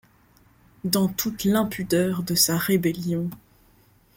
Dans toute l'impudeur de sa rébellion ;